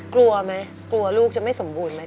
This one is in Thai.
กลัวไหมกลัวลูกจะไม่สมบูรณ์ไหม